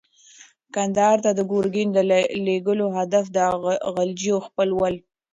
کندهار ته د ګورګین د لېږلو هدف د غلجیو ځپل ول.